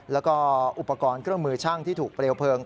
แล้วก็อุปกรณ์เครื่องมือช่างที่ถูกเปลวเพลิง